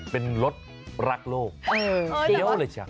เป็นรถรักโลกเฟี้ยวเลยจ้ะ